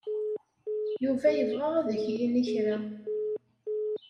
Yuba yebɣa ad ak-yini kra.